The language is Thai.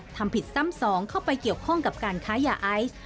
ทำผิดซ้ำสองเข้าไปเกี่ยวข้องกับการค้ายาไอซ์